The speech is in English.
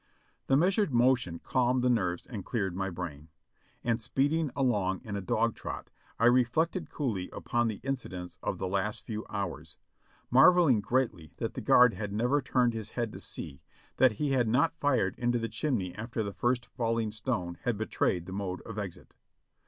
The measured motion calmed the nerves and cleared my brain ; and speeding along in a dog trot, I reflected coolly upon the inci dents of the last few hours, marveling greatly that the guard had never turned his head to see, that he had not fired into the chimney after the first falling stone had betrayed the mode of exit.